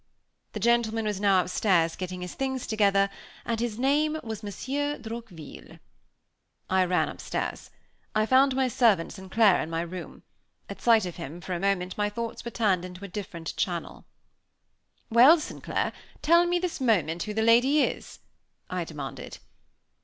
The gentleman was now upstairs getting his things together, and his name was Monsieur Droqville. I ran upstairs. I found my servant St. Clair in my room. At sight of him, for a moment, my thoughts were turned into a different channel. "Well, St. Clair, tell me this moment who the lady is?" I demanded.